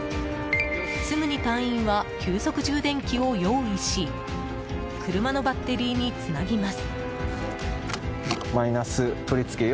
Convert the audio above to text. すぐに隊員は急速充電器を用意し車のバッテリーにつなぎます。